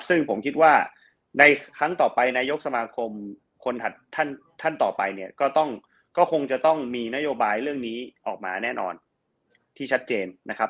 ซึ่งผมคิดว่าในครั้งต่อไปนายกสมาคมคนถัดท่านต่อไปเนี่ยก็ต้องก็คงจะต้องมีนโยบายเรื่องนี้ออกมาแน่นอนที่ชัดเจนนะครับ